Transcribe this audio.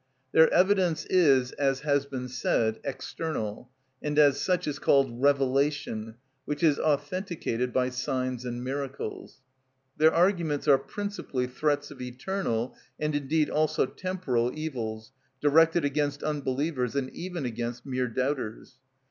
Their evidence is, as has been said, external, and as such is called revelation, which is authenticated by signs and miracles. Their arguments are principally threats of eternal, and indeed also temporal evils, directed against unbelievers, and even against mere doubters.